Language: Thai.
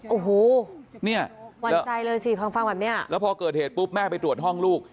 โอ้โหเนี่ยหวั่นใจเลยสิพอฟังแบบเนี้ยแล้วพอเกิดเหตุปุ๊บแม่ไปตรวจห้องลูก